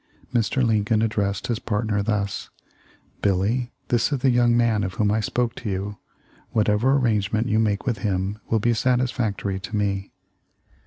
Mr. Lincoln addressed his partner thus: 'Billy, this is the young man of whom I spoke to you. Whatever arrangement you make with him will be satisfactory to me.'